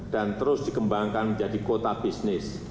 dan terus dikembangkan menjadi kota bisnis